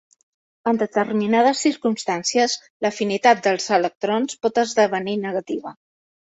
En determinades circumstàncies, l'afinitat dels electrons pot esdevenir negativa.